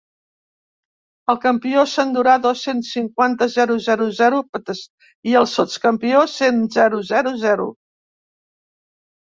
El campió s'endurà dos-cents cinquanta.zero zero zero ptes i el sots-campió cent.zero zero zero.